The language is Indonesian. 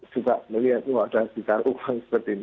suka melihat oh ada ditaruh uang seperti ini